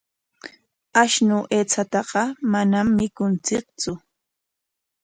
Ashnu aychataqa manam mikunchiktsu.